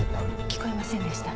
聞こえませんでした。